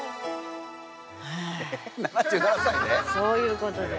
そういうことじゃ。